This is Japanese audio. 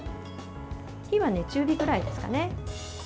火は中火ぐらいですかね。